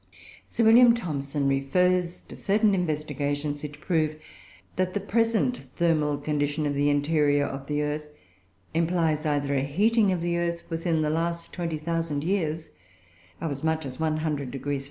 Sir W. Thomson refers to certain investigations which prove that the present thermal condition of the interior of the earth implies either a heating of the earth within the last 20,000 years of as much as 100° F.